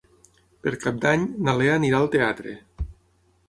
Per Cap d'Any na Lea anirà al teatre.